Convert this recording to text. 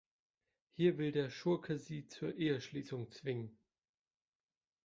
Hier will der Schurke sie zur Eheschließung zwingen.